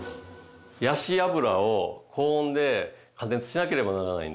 ヤシ油を高温で加熱しなければならないんですね。